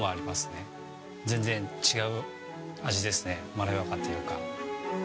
まろやかっていうか。